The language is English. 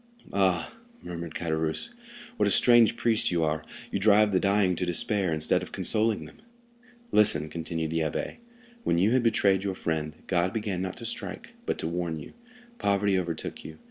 "Ah," murmured Caderousse, "what a strange priest you are; you drive the dying to despair, instead of consoling them." "Listen," continued the abbé. "When you had betrayed your friend, God began not to strike, but to warn you. Poverty overtook you.